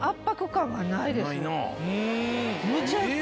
むちゃくちゃいい。